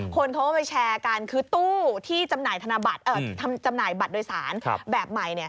คนเขาก็ไปแชร์กันคือตู้ที่จำหน่ายบัตรโดยสารแบบใหม่